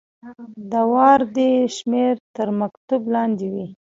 د واردې شمیره تر مکتوب لاندې وي.